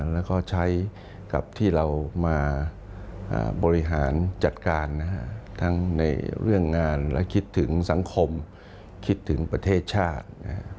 แล้วก็ใช้กับที่เรามาบริหารจัดการทั้งในเรื่องงานและคิดถึงสังคมคิดถึงประเทศชาติ